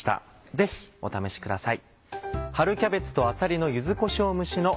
ぜひお試しください。